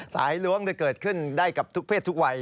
ล้วงจะเกิดขึ้นได้กับทุกเพศทุกวัย